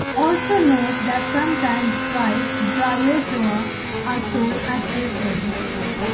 Also note that sometimes dried bryozoa are sold as air ferns.